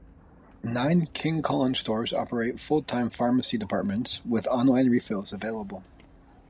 Nine King Kullen stores operate full-service pharmacy departments, with online refills available.